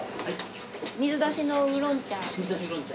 水出しのウーロン茶。